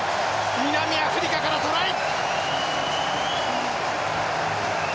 南アフリカからトライ！